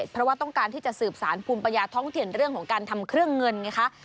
เพราะว่าต้องการที่จะสืบสารภูมิปัญญาท้องถิ่นเรื่องของการทำเครื่องเงินไงคะ